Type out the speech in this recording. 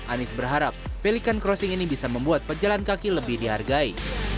anies berharap pelikan crossing ini bisa membuat pejalan kaki lebih dihargai